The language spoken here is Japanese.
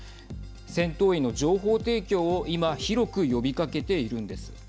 戦闘員の情報提供を今、広く呼びかけているんです。